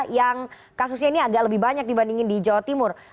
yang kasusnya ini agak lebih banyak dibandingin di jawa timur